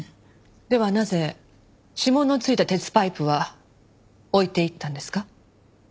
ではなぜ指紋の付いた鉄パイプは置いていったんですか？